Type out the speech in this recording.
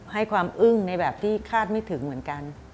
ให้ความอึ้งในแบบที่คาดไม่ถึงเหมือนกัน